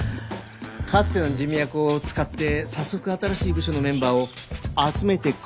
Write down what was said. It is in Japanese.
かつての人脈を使って早速新しい部署のメンバーを集めてくださったんですよね？